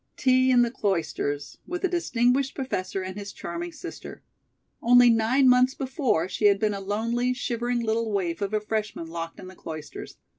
Tea in the Cloisters, with a distinguished professor and his charming sister! Only nine months before she had been a lonely, shivering little waif of a freshman locked in the Cloisters.